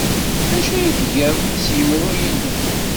D acu ay tgiḍ s yemru-inu?